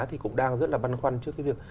thì cũng đang rất là băn khoăn trước cái việc